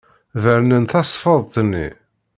Bernen tasfeḍt-nni.